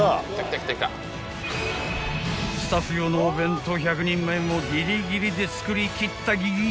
［スタッフ用のお弁当１００人前もギリギリで作り切ったギリ］